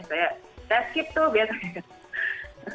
saya skip tuh biasanya